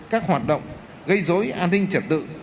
các hoạt động gây dối an ninh trật tự